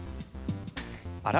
あら？